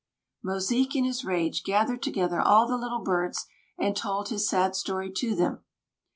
Mosique, in his rage, gathered together all the Little Birds, and told his sad story to them.